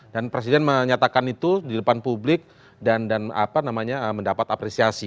dan presiden menyatakan itu di depan publik dan mendapat apresiasi